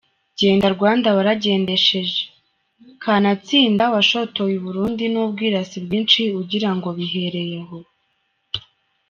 Genda Rwanda Waragendesheje.Kanatsinda Washotoye Uburundi Nubwirasi Bwinshi Ugira Ngo Bihereye Aho